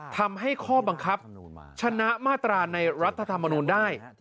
ทำให้ข้อบังคับชนะมาตราในรัฐธรรมนูลได้